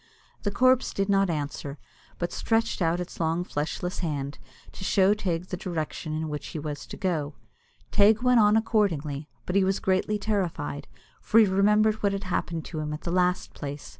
The corpse did not answer, but stretched out its long fleshless hand, to show Teig the direction in which he was to go. Teig went on accordingly, but he was greatly terrified, for he remembered what had happened to him at the last place.